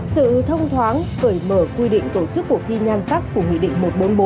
sự thông thoáng cởi mở quy định tổ chức cuộc thi nhan sắc của nghị định một trăm bốn mươi bốn